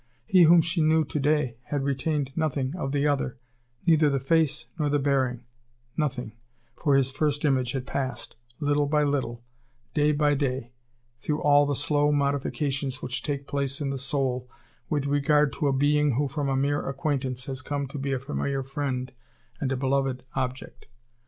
He whom she knew to day had retained nothing of the other, neither the face nor the bearing nothing for his first image had passed, little by little, day by day, through all the slow modifications which take place in the soul with regard to a being who from a mere acquaintance has come to be a familiar friend and a beloved object.